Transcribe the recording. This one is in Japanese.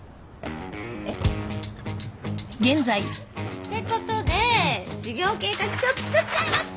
えっ？ってことで事業計画書作っちゃいました。